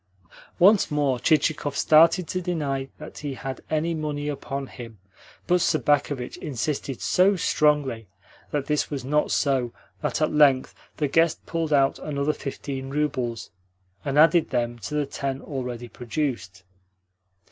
Once more Chichikov started to deny that he had any money upon him, but Sobakevitch insisted so strongly that this was not so that at length the guest pulled out another fifteen roubles, and added them to the ten already produced.